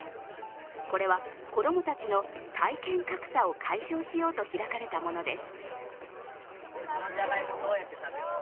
これは子供たちの体験格差を解消しようと開かれたものです。